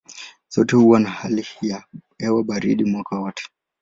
Zote huwa na hali ya hewa baridi mwaka wote.